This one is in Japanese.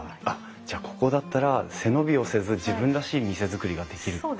あっじゃあここだったら背伸びをせず自分らしい店づくりができる。